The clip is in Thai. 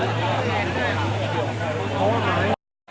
อัศวินิสัตว์อัศวินิสัตว์อัศวินิสัตว์